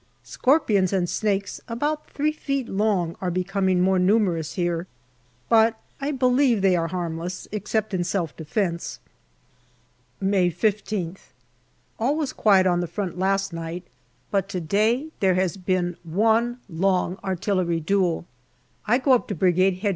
Scorpions and snakes about three feet long are becoming more numerous here, but I believe they are harmless, except in self defence. May 15th. All was quiet on the front last night, but to day there has been one long artillery duel. I go up to Brigade H.Q.